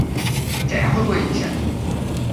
假牙會不會影響